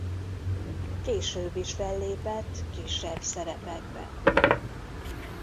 Később is fellépett kisebb szerepekben.